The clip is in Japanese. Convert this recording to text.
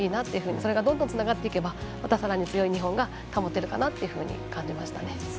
それがどんどんつながっていったらまたさらに強い日本が保てるかなと感じましたね。